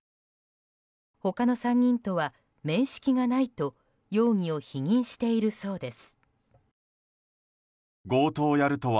他の３人とは面識がないと容疑を否認しているそうです。